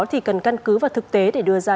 thì cần căn cứ vào thực tế để đưa ra